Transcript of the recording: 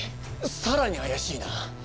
さらにあやしいな。